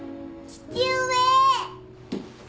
父上！